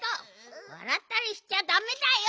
わらったりしちゃだめだよ！